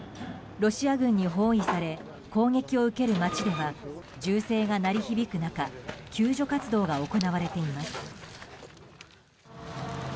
ロシア軍に包囲され攻撃を受ける街では銃声が鳴り響く中救助活動が行われています。